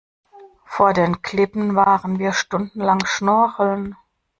Vor den Klippen waren wir stundenlang schnorcheln.